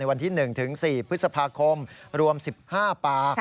วันที่๑๔พฤษภาคมรวม๑๕ปาก